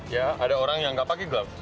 ya ada orang yang nggak pakai klub